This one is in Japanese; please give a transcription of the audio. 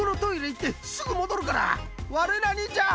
悪いな兄ちゃん。